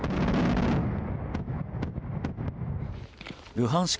ルハンシク